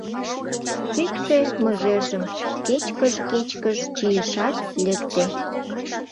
Шӱкшӧ мыжержым кечкыж-кечкыж чийышат, лекте.